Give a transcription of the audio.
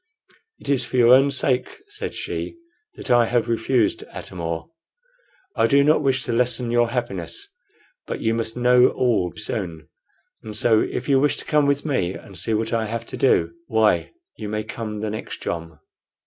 "It is for your own sake," said she, "that I have refused, Atam or. I do not wish to lessen your happiness. But you must know all soon; and so, if you wish to come with me and see what I have to do, why, you may come the next jom."